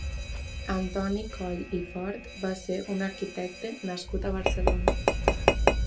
Antoni Coll i Fort va ser un arquitecte nascut a Barcelona.